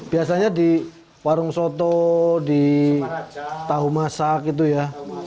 biasanya di warung soto di tahu masak gitu ya